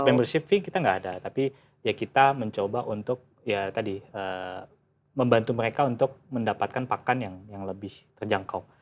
pammership fee kita nggak ada tapi ya kita mencoba untuk ya tadi membantu mereka untuk mendapatkan pakan yang lebih terjangkau